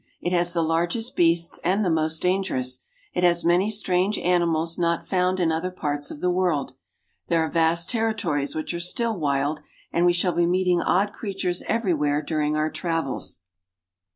It has the largest beasts and the most dangerous. It has many strange animals not found in other parts of the world. There are vast territories which are still wild, and we shall be meeting odd creatures everywhere during our travels.